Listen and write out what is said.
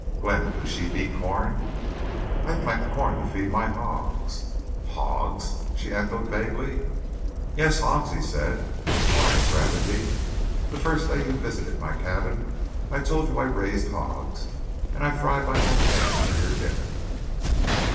"Glenn, do sheep eat corn?" "I plant corn to feed my hogs." "Hogs?" she echoed, vaguely. "Yes, hogs," he said, with quiet gravity. "The first day you visited my cabin I told you I raised hogs, and I fried my own ham for your dinner."